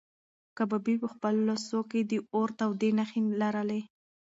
کبابي په خپلو لاسو کې د اور تودې نښې لرلې.